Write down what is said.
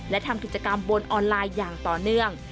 และทำกิจกรรมบนออนไลน์อย่างต่อเนื่อง